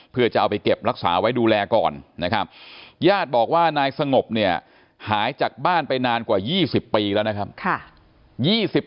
เพื่อจะเอาไปเก็บรักษาไว้ดูแลก่อนนะครับญาติบอกว่านายสงบเนี่ยหายจากบ้านไปนานกว่า๒๐ปีแล้วนะครับ